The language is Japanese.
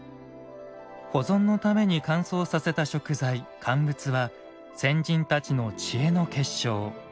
保存のために乾燥させた食材乾物は、先人たちの知恵の結晶。